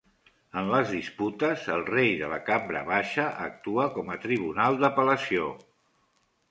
En les disputes, el rei de la cambra baixa actua com a tribunal d'apel·lació.